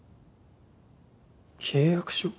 「契約書」？